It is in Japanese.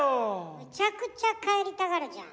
むちゃくちゃ帰りたがるじゃん。